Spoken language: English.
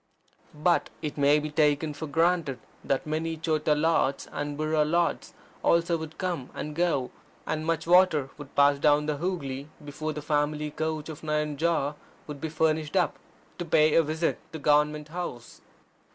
But it may be taken for granted that many Chota Lords and Burro Lords also would come and go, and much water would pass down the Hoogly, before the family coach of Nayanjore would be furnished up to pay a visit to Government House.